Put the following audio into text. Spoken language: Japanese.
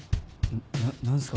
な何すか？